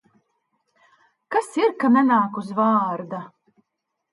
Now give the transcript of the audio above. Kas ir, ka nenāk uz vārda?